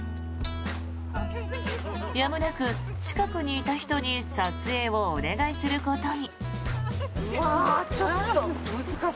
やむなく近くにいた人に撮影をお願いすることに。